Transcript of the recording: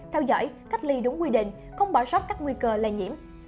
theo dõi cách ly đúng quy định không bỏ sót các nguy cơ lây nhiễm